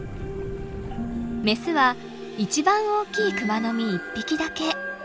メスは一番大きいクマノミ一匹だけ。